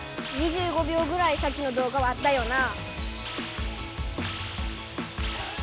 ２５秒ぐらいさっきのどうがはあったよな。